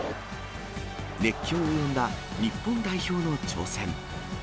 熱狂を呼んだ日本代表の挑戦。